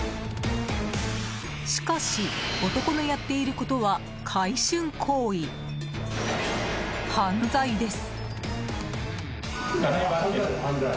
しかし男のやっていることは買春行為、犯罪です。